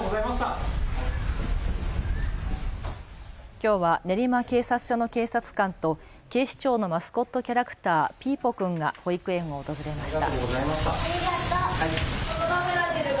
きょうは練馬警察署の警察官と警視庁のマスコットキャラクター、ピーポくんが保育園を訪れました。